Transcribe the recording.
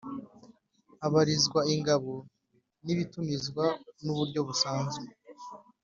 abarizwa ingano y ibitumizwa n uburyo busanzwe